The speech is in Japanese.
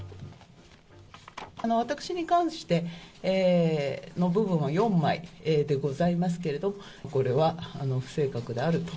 私に関しての部分は４枚でございますけれども、これは不正確であると。